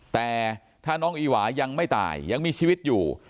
แต่ถ้าน้องอีหวายังไม่ตายยังมีชีวิตอยู่